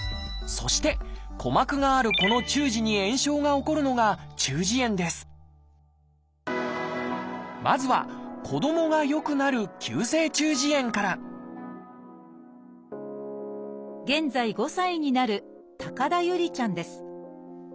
そして鼓膜があるこの中耳に炎症が起こるのが中耳炎ですまずは子どもがよくなる「急性中耳炎」から現在５歳になる田侑里ちゃんです。